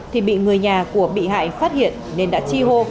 thì bị người nhà của bị hại phát hiện nên đã chi hô